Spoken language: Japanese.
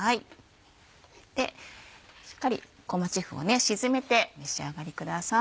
しっかり小町麩を沈めて召し上がりください。